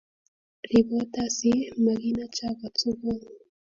Ribota si maginacha ko tukul